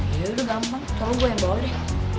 iya udah gampang kalau gua yang bawa deh